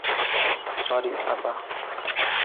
Sorry, আপা।